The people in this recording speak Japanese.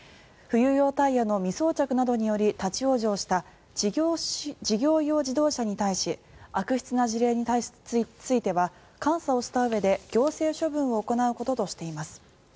冬用タイヤの未装着などにより立ち往生した事業用自動車に対し悪質な事例については監査をしたうえで行政処分を行うこととしています。